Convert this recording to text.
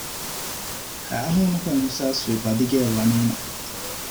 ހައިހޫނުކަން އިހްޞާސްވީ ބަދިގެއަށް ވަނީމަ